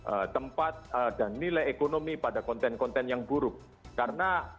ketika itu para panggung atau micasekut berdiri di luar menara sehingga makin cantik